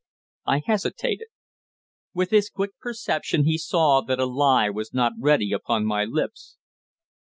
I hesitated. With his quick perception he saw that a lie was not ready upon my lips.